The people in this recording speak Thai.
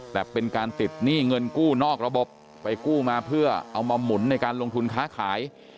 แต่เป็นการติดหนี้เงินกู้นอกระบบไปกู้มาเพื่อเอามาหมุนในการลงทุนค้าขาย